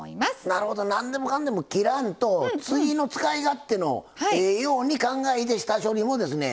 なるほど何でもかんでも切らんと次の使い勝手のええように考えて下処理もですね